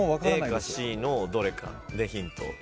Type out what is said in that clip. ＡかＣのどれかでヒントを。